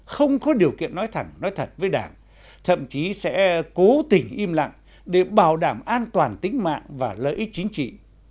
không có điều kiện nói thẳng nói thật với đảng thậm chí sẽ cố tình im lặng để bảo đảm an toàn tính mạng và lợi ích chính trị